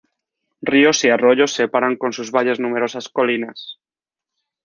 Ríos y arroyos separan con sus valles numerosas colinas.